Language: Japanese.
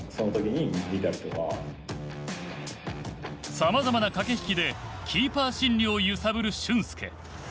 さまざまな駆け引きでキーパー心理を揺さぶる俊輔。